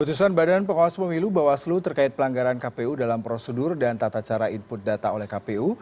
putusan badan pengawas pemilu bawaslu terkait pelanggaran kpu dalam prosedur dan tata cara input data oleh kpu